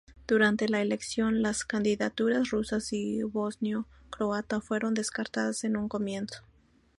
Durante la elección, las candidaturas rusas y bosnio-croata fueron descartadas en un comienzo.